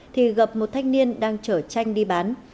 thì gặp một thanh niên đang chở chanh đi bán